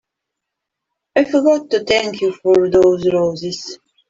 I forgot to thank you for those roses.